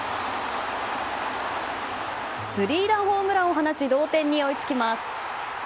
スリーランホームランを放ち同点に追いつきます。